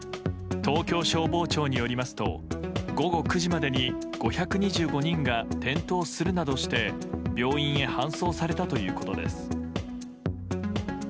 東京消防庁によりますと午後９時までに５２５人が転倒するなどして病院へ搬送されたということです。